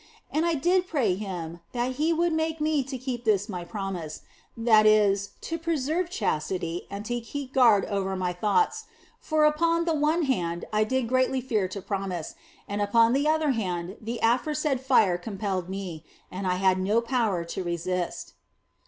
And I did pray Him that He would make me to keep this my promise, that is, to pre serve chastity and to keep guard over my thoughts ; for upon the one hand I did greatly fear to promise, and upon the other hand the aforesaid fire compelled me, and I had no power to resist.